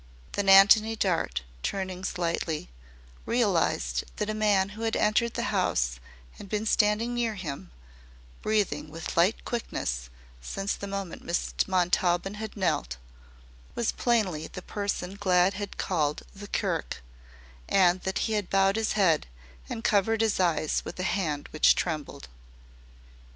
Then Antony Dart, turning slightly, realized that a man who had entered the house and been standing near him, breathing with light quickness, since the moment Miss Montaubyn had knelt, was plainly the person Glad had called the "curick," and that he had bowed his head and covered his eyes with a hand which trembled.